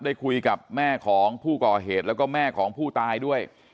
ได้คุยกับแม่ของผู้ก่อเหตุแล้วก็แม่ของผู้ตายด้วย